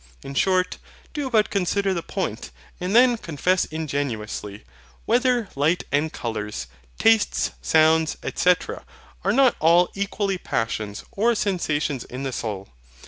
In short, do but consider the point, and then confess ingenuously, whether light and colours, tastes, sounds, &c. are not all equally passions or sensations in the soul.